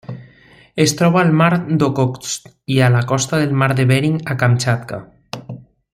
Es troba al Mar d'Okhotsk i a la costa del Mar de Bering a Kamtxatka.